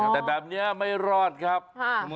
แต่แบบเนี่ยไม่รู้งักกัน